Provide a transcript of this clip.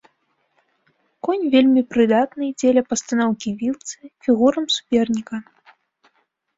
Конь вельмі прыдатны дзеля пастаноўкі вілцы фігурам суперніка.